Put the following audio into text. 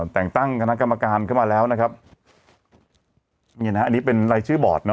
แต่งตั้งคณะกรรมการเข้ามาแล้วนะครับนี่นะฮะอันนี้เป็นรายชื่อบอร์ดเนอ